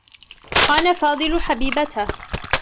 خان فاضل حبيبته.